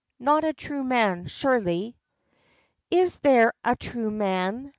Not a true man, surely." "Is there a true man?"